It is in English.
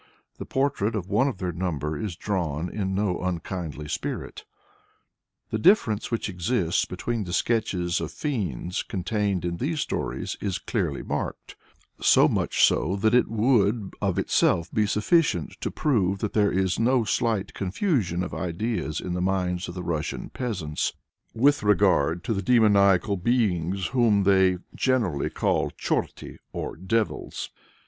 13), the portrait of one of their number is drawn in no unkindly spirit. The difference which exists between the sketches of fiends contained in these stories is clearly marked, so much so that it would of itself be sufficient to prove that there is no slight confusion of ideas in the minds of the Russian peasants with regard to the demoniacal beings whom they generally call chorti or devils.